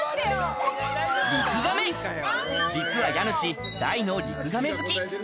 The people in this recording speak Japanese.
リクガメ、実は家主、大のリクガメ好き。